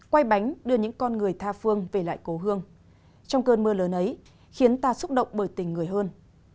quay bánh đưa những con người tha phương về lại cố hương trong cơn mưa lớn ấy khiến ta xúc động bởi tình người hơn